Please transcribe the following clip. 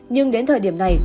nhưng đến thời điểm này